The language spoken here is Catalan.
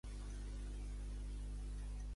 El tigre descansa amb el cap girat cap a la dreta.